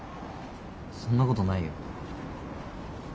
そんなことないよ。